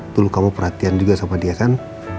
dulu kamu perhatian juga sama dia kan